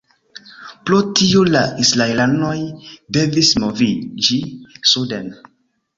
Pro tio la israelanoj devis moviĝi suden.